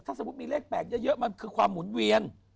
ถ้าสมมุติมีเลข๘เยอะมันคือความหมุนเวียน